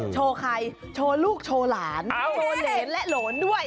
โชว์ใครโชว์ลูกโชว์หลานโชว์เหรนและโหลนด้วย